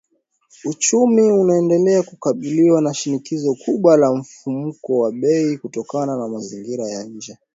Uchumi unaendelea kukabiliwa na shinikizo kubwa la mfumuko wa bei kutokana na mazingira ya nje